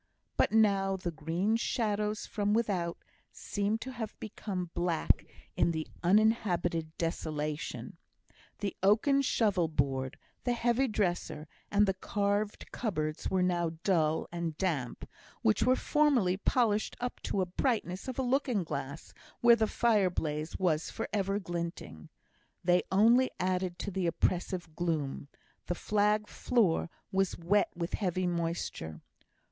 But now the green shadows from without seemed to have become black in the uninhabited desolation. The oaken shovel board, the heavy dresser, and the carved cupboards, were now dull and damp, which were formerly polished up to the brightness of a looking glass where the fire blaze was for ever glinting; they only added to the oppressive gloom; the flag floor was wet with heavy moisture.